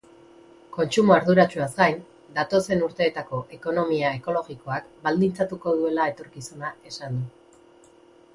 Kontsumo arduratsuaz gain, datozen urteetako ekonomia ekologikoak baldintzatuko duela etorkizuna esan du.